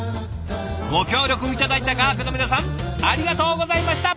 ご協力頂いた画伯の皆さんありがとうございました。